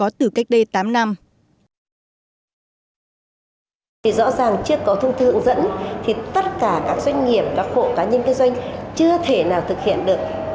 rõ ràng trước có thông tư hướng dẫn thì tất cả các doanh nghiệp và khổ cá nhân kinh doanh chưa thể nào thực hiện được